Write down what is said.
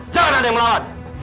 jangan ada yang melawan